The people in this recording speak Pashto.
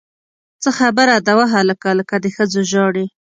څه خبره ده وهلکه! لکه د ښځو ژاړې!